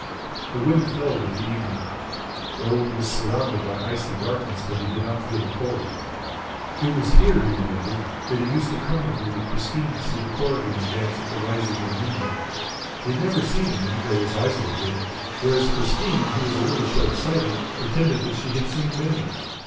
The wind fell with the evening. Raoul was surrounded by icy darkness, but he did not feel the cold. It was here, he remembered, that he used to come with little Christine to see the Korrigans dance at the rising of the moon. He had never seen any, though his eyes were good, whereas Christine, who was a little shortsighted, pretended that she had seen many.